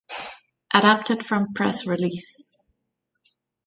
Adapted from press release.